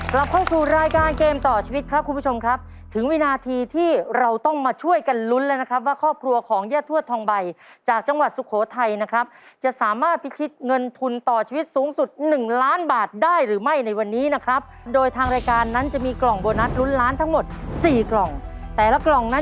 กลับเข้าสู่รายการเกมต่อชีวิตครับคุณผู้ชมครับถึงวินาทีที่เราต้องมาช่วยกันลุ้นแล้วนะครับว่าครอบครัวของย่าทวดทองใบจากจังหวัดสุโขทัยนะครับจะสามารถพิชิตเงินทุนต่อชีวิตสูงสุดหนึ่งล้านบาทได้หรือไม่ในวันนี้นะครับโดยทางรายการนั้นจะมีกล่องโบนัสลุ้นล้านทั้งหมดสี่กล่องแต่ละกล่องนั้น